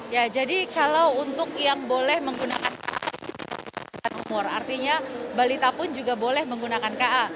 ya jadi kalau untuk yang boleh menggunakan ka umur artinya balita pun juga boleh menggunakan ka